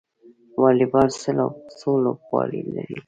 والیبال څو لوبغاړي لري؟